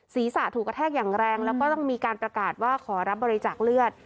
ศีรษะถูกกระแทกอย่างแรงแล้วก็ต้องมีการประกาศว่าขอรับบริจาคเลือด